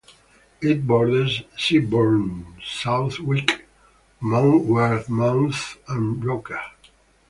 It borders Seaburn, Southwick, Monkwearmouth, and Roker.